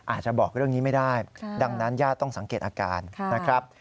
อาจจะบอกเรื่องนี้ไม่ได้ดังนั้นญาติต้องสังเกตอาการนะครับ